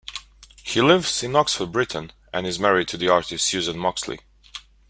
He lives in Oxford, Britain and is married to the artist Susan Moxley.